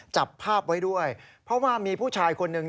จับภาพไว้ด้วยเพราะว่ามีผู้ชายคนหนึ่ง